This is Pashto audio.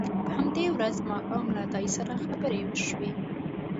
په همدې ورځ ماښام له عطایي سره خبرې وشوې.